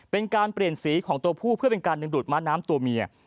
เป็นการเปลี่ยนสีของตัวผู้เพื่อเป็นการดึงดูดม้าน้ำตัวเมีย